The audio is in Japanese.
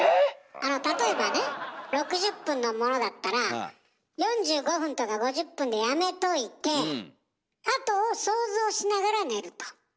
あの例えばね６０分のものだったら４５分とか５０分でやめといて後を想像しながら寝ると。